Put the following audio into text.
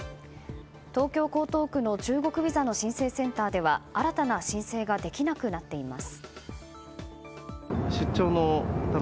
東京・江東区の中国ビザの申請センターでは新たな申請ができなくなっています。